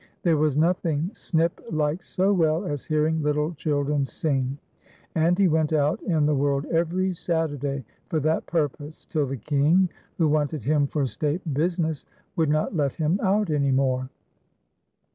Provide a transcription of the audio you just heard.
There was nothing Snip liked so well as hearing little children sing, and he went out in the world every Saturday for that purpose, till the King, \\\\Q wanted him for state business, would not let him out any more.